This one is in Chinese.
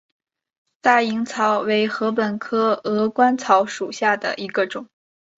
大颖草为禾本科鹅观草属下的一个种。